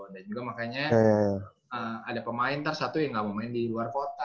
dan juga makanya ada pemain yang tidak mau main di luar kota